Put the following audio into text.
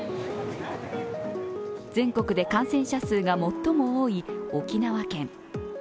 全国で感染者数が最も多い沖縄県。